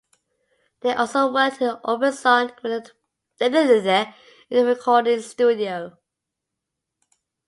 They also worked with Orbison in the recording studio.